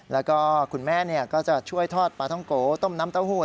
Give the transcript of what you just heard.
แล้วก็คุณแม่ก็จะช่วยทอดปลาท้องโกต้มน้ำเต้าหู้